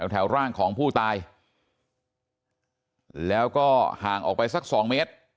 แถวร่างของผู้ตายแล้วก็ห่างออกไปสักสองเมตร